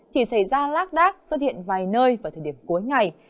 chỉ xảy ra lác đác xuất hiện vài nơi vào thời điểm cuối ngày